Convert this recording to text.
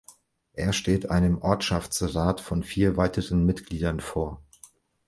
Er steht einem Ortschaftsrat von vier weiteren Mitgliedern vor.